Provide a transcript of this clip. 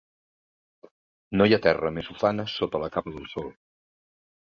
No hi ha terra més ufana sota la capa del sol.